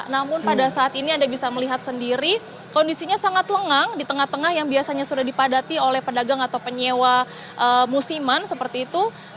namun pada saat ini anda bisa melihat sendiri kondisinya sangat lengang di tengah tengah yang biasanya sudah dipadati oleh pedagang atau penyewa musiman seperti itu